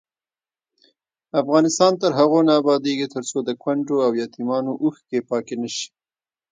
افغانستان تر هغو نه ابادیږي، ترڅو د کونډو او یتیمانو اوښکې پاکې نشي.